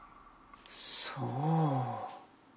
そう。